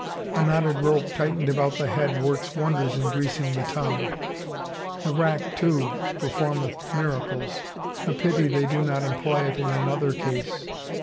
" A knot ted rope tightened about the head works wonders in greasing the tongue! The rack, too, performeth mira cles. A pity they do not employ it in another case."